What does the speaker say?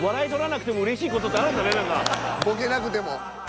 ボケなくても。